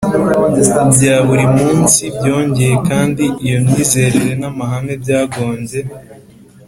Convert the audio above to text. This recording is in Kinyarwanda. bya buri munsi Byongeye kandi iyo myizerere n amahame byagombye